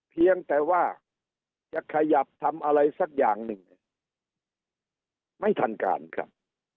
เพียงแต่ว่าจะขยับทำอะไรสักอย่างหนึ่งเนี่ยไม่ทันการครับ